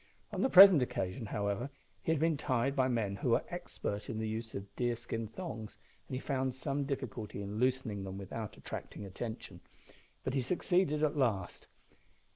On the present occasion, however, he had been tied by men who were expert in the use of deerskin thongs, and he found some difficulty in loosening them without attracting attention, but he succeeded at last.